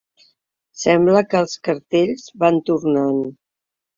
Sembla que els cartells van tornant.